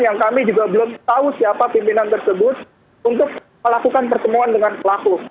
yang kami juga belum tahu siapa pimpinan tersebut untuk melakukan pertemuan dengan pelaku